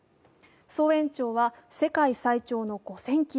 総延長は世界最長の５０００ｋｍ。